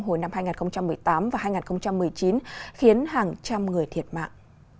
hồi năm hai nghìn một mươi tám và hai nghìn một mươi chín khiến hàng trăm người thiệt mạng